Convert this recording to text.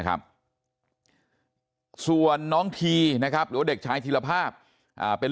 ครับส่วนน้องทีนะครับหรือว่าเด็กชายธีรภาพเป็น